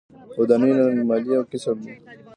د ودانیو رنګمالي یو کسب دی